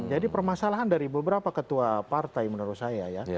jadi permasalahan dari beberapa ketua partai menurut saya ya